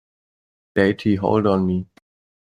Daite Hold on Me!